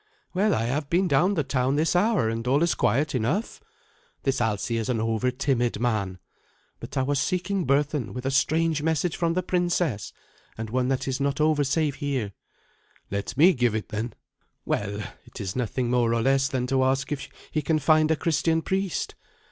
"Well, I have been down the town this hour, and all is quiet enough. This Alsi is an over timid man. But I was seeking Berthun with a strange message from the princess, and one that is not over safe here." "Let me give it then." "Well, it is nothing more or less than to ask if he can find a Christian priest.